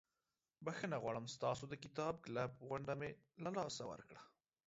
بخښنه غواړم ستاسو د کتاب کلب غونډه مې له لاسه ورکړه.